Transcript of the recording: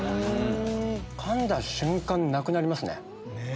かんだ瞬間なくなりますね。